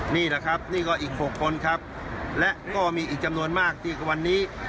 นี่แหละครับนี่ก็อีก๖คนครับและก็มีอีกจำนวนมากที่วันนี้